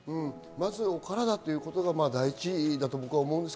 まずお体ということが第一だと思います。